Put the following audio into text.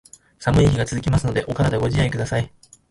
寒い日が続きますので、お体ご自愛下さい。